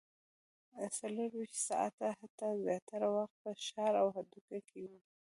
څلورویشت ساعته هټۍ زیاتره وخت په ښار او هډو کې وي